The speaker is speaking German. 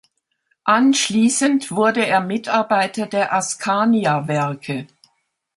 Anschließend wurde er Mitarbeiter der Askania-Werke.